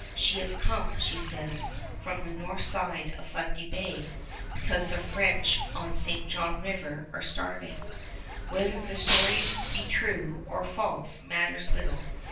She has come, she says, from the north side of Fundy Bay, because the French on St. John River are starving. Whether the story be true or false matters little.